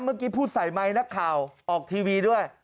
เมื่อกี้พูดใส่ไมค์นักข่าวออกทีวีด้วย